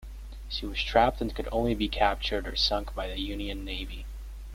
She was trapped and could only be captured or sunk by the Union Navy.